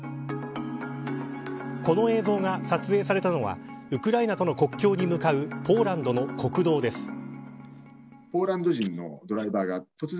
この映像が撮影されたのはウクライナとの国境に向かうポーランドの国道です。